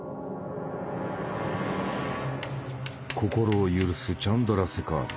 心を許すチャンドラセカール。